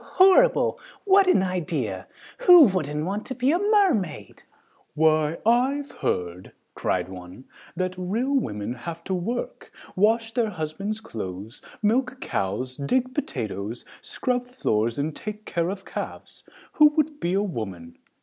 Horrible! What an idea! Who wouldn't be a mermaid?" "Why, I've heard," cried one, "that real women have to work, wash their husband's clothes, milk cows, dig potatoes, scrub floors and take care of calves. Who would be a woman?